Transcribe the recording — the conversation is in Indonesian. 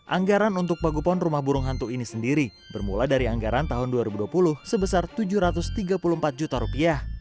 anggaran untuk pagupon rumah burung hantu ini sendiri bermula dari anggaran tahun dua ribu dua puluh sebesar tujuh ratus tiga puluh empat juta